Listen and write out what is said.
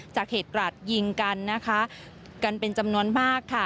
จากเหตุกราดยิงกันนะคะกันเป็นจำนวนมากค่ะ